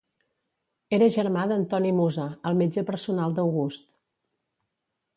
Era germà d'Antoni Musa el metge personal d'August.